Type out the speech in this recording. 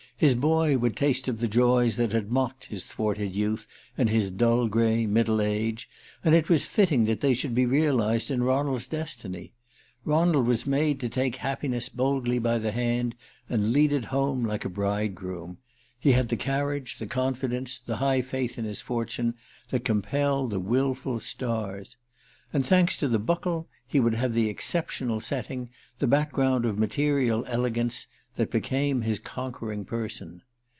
His boy would taste of the joys that had mocked his thwarted youth and his dull gray middle age. And it was fitting that they should be realized in Ronald's destiny. Ronald was made to take happiness boldly by the hand and lead it home like a bridegroom. He had the carriage, the confidence, the high faith in his fortune, that compel the wilful stars. And, thanks to the Buckle, he would have the exceptional setting, the background of material elegance, that became his conquering person.